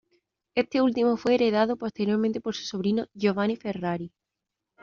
Este último fue heredado posteriormente por su sobrino Giovanni Ferrari.